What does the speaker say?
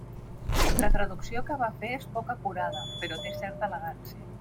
La traducció que va fer és poc acurada però té certa elegància.